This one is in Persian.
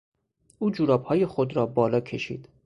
او جورابهای خود را بالا کشید.